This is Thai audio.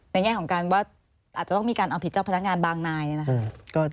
นานแง่ของการว่าอาจจะต้องมีการเอาผิดของพนักงานบางนายเลยนะ